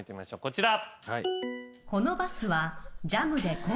こちら。